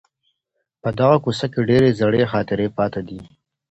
په دغه کوڅې کي ډېرې زړې خاطرې پاته دي.